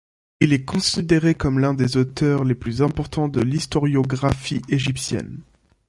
Il est considéré comme l'un des auteurs les plus importants de l'historiographie égyptienne.